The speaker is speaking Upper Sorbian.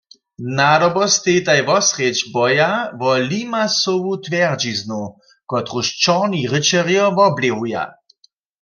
Nadobo stejitaj wosrjedź boja wo Limasowu twjerdźiznu, kotruž čorni ryćerjo woblěhuja.